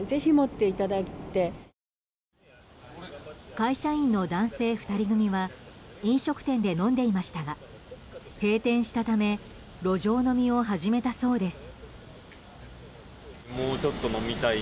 会社員の男性２人組は飲食店で飲んでいましたが閉店したため路上飲みを始めたそうです。